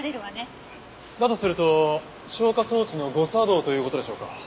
だとすると消火装置の誤作動という事でしょうか？